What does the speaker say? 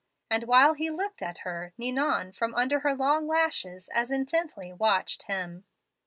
And while he looked at her Ninon from under her long lashes as intently watched him.